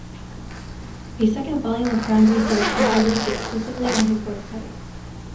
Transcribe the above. A second volume of Gondry's work was released exclusively on his website.